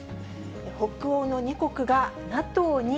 北欧の２国がＮＡＴＯに加盟？